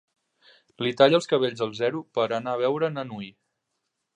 Li talla els cabells al zero per anar a veure na Nui.